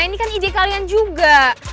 ini kan ide kalian juga